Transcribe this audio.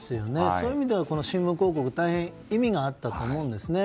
そういう意味ではこの新聞広告は大変意味があったと思うんですね。